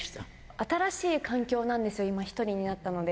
新しい環境なんですよ、今、一人になったので。